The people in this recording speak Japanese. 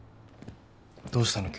どうしたの？